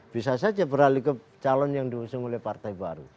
bisa saja beralih ke calon yang diusung oleh partai baru